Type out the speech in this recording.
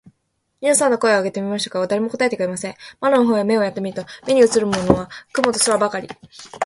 二三度声を張り上げて呼んでみましたが、誰も答えてくれません。窓の方へ目をやって見ると、目にうつるものは雲と空ばかり、